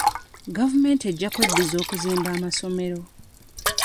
Gavumenti ejja kweddiza okuzimba amasomero.